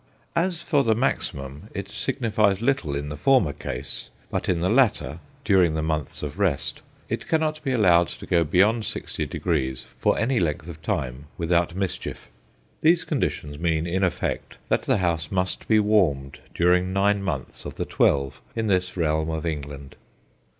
As for the maximum, it signifies little in the former case, but in the latter during the months of rest it cannot be allowed to go beyond 60°, for any length of time, without mischief. These conditions mean, in effect, that the house must be warmed during nine months of the twelve in this realm of England.